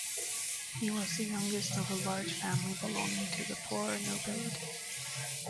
He was the youngest of a large family belonging to the poorer nobility.